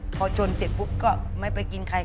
พอชนเสร็จปุ๊บก็ไม่ไปกินใคร